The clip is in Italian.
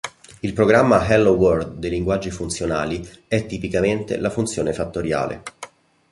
Il programma "Hello World" dei linguaggi funzionali è tipicamente la funzione fattoriale.